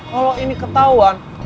kalo ini ketauan